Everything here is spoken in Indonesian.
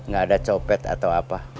gak ada copet atau apa